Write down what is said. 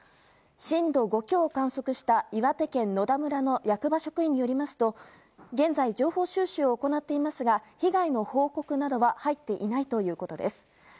震度５強を観測した岩手県野田村の役場職員によりますと現在、情報収集を行っていますが被害の報告などは入っていないということです。